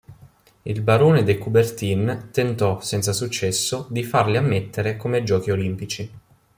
Il barone de Coubertin tentò, senza successo, di farli ammettere come Giochi olimpici.